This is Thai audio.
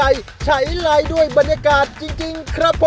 กินล้างบาง